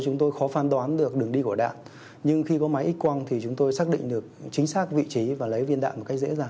nhanh chóng hơn rất nhiều